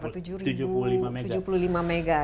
berapa tujuh puluh lima mw tujuh puluh lima mw